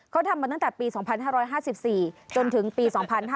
เขาทำมาตั้งแต่ปี๒๕๕๔จนถึงปี๒๕๕๙